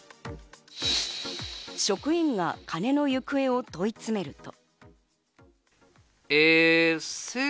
職員が金の行方を問い詰めると。